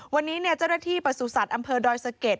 วันนี้เจ้าหน้าที่ประสุทธิ์อำเภอดอยสะเก็ด